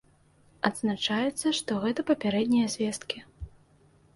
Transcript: Адзначаецца, што гэта папярэднія звесткі.